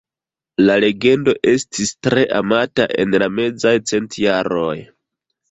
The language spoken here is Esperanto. La legendo estis tre amata en la mezaj centjaroj.